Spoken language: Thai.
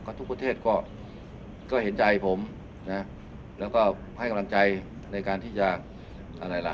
ทุกประเทศก็เห็นใจผมนะแล้วก็ให้กำลังใจในการที่จะอะไรล่ะ